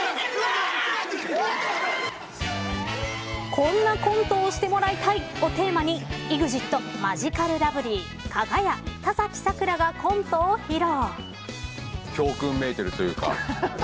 こんなコントをしてもらいたいをテーマにＥＸＩＴ、マヂカルラブリーかが屋、田崎さくらがコントを披露。